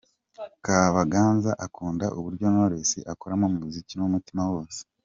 Kabaganza akunda uburyo Knowless akoramo umuziki n'umutima wose.